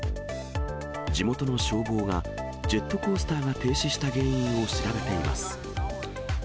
地元の消防がジェットコースターが停止した原因を調べています。